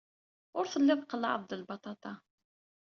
Ur telliḍ qellɛeḍ-d lbaṭaṭa.